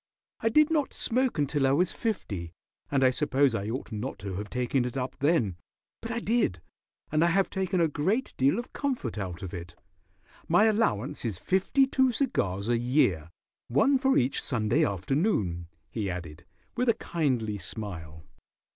"I did not smoke until I was fifty, and I suppose I ought not to have taken it up then, but I did, and I have taken a great deal of comfort out of it. My allowance is fifty two cigars a year, one for each Sunday afternoon," he added, with a kindly smile.